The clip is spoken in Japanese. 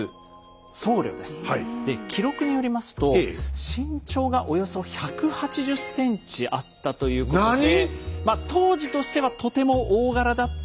で記録によりますと身長がおよそ１８０センチあったということでまあ当時としてはとても大柄だったんではないかと想像。